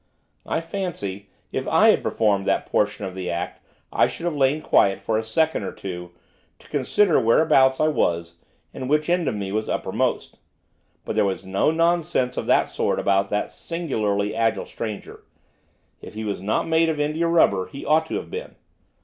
I fancy, if I had performed that portion of the act I should have lain quiet for a second or two, to consider whereabouts I was, and which end of me was uppermost. But there was no nonsense of that sort about that singularly agile stranger, if he was not made of indiarubber he ought to have been.